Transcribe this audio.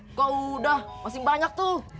engkau udah masih banyak tuh